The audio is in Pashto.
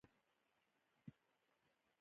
هغې خپلې کړکۍ پرانیستې